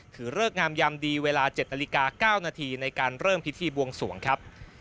เริกงามยามดีเวลา๗นาฬิกา๙นาทีในการเริ่มพิธีบวงสวงครับ